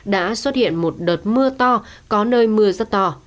đã xuất hiện một đợt mưa to có nơi mưa rất to